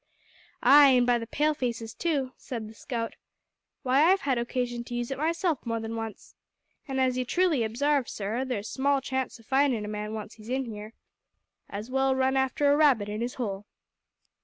"Ay, an' by the pale faces too," said the scout. "Why, I've had occasion to use it myself more than once. And, as you truly obsarve, sir, there's small chance of findin' a man once he's in here. As well run after a rabbit in his hole."